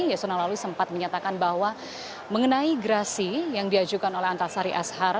yasona lawli sempat menyatakan bahwa mengenai gerasi yang diajukan oleh antasari ashar